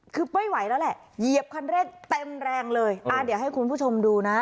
คือไม่ไหวแล้วแหละเหยียบคันเร่งเต็มแรงเลยอ่าเดี๋ยวให้คุณผู้ชมดูนะ